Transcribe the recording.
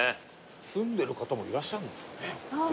住んでる方もいらっしゃるんですかね。